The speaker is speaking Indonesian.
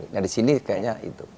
nah di sini kayaknya itu